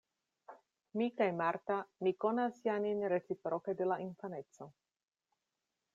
Mi kaj Marta ni konas ja nin reciproke de la infaneco.